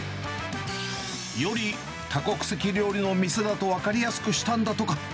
より多国籍料理の店だと分かりやすくしたんだとか。